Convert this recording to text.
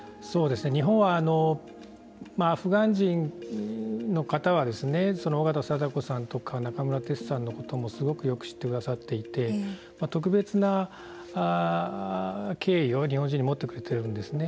日本は、アフガン人の方は緒方貞子さんとか中村哲さんのこともすごくよく知ってくださっていて特別な敬意を日本人に持ってくれていると思うんですね。